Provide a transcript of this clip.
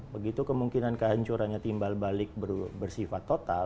begitu kemungkinan kehancurannya timbal balik bersifat total